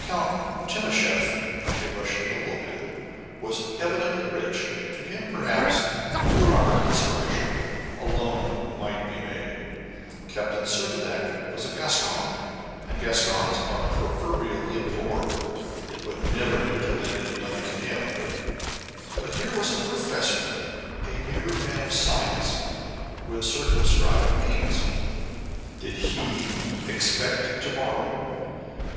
Count Timascheff, a Russian nobleman, was evidently rich; to him perhaps, for a proper consideration, a loan might be made: Captain Servadac was a Gascon, and Gascons are proverbially poor; it would never do to lend any money to him; but here was a professor, a mere man of science, with circumscribed means; did he expect to borrow?